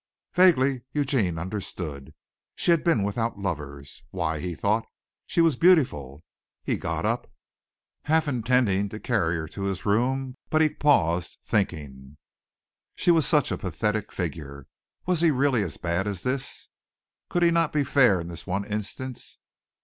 Vaguely Eugene understood. She had been without lovers. Why? he thought. She was beautiful. He got up, half intending to carry her to his room, but he paused, thinking. She was such a pathetic figure. Was he really as bad as this? Could he not be fair in this one instance?